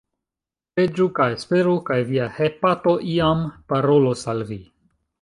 Preĝu kaj esperu, kaj Via hepato iam parolos al Vi.